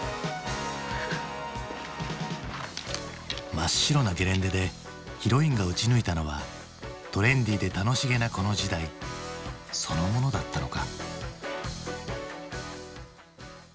真っ白なゲレンデでヒロインが撃ち抜いたのはトレンディで楽しげなこの時代そのものだったのか。